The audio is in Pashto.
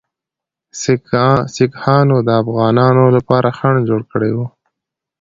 سیکهانو د افغانانو لپاره خنډ جوړ کړی وو.